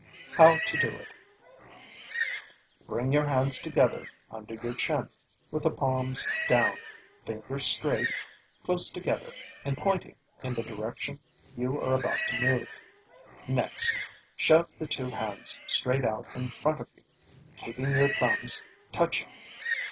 HOW TO DO IT Bring your hands together under your chin, with the palms down, fingers straight, close together, and pointing in the direction you are about to move. Next shove the two hands straight out in front of you, keeping your thumbs touching.